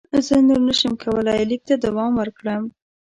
زه نور نه شم کولای لیک ته دوام ورکړم.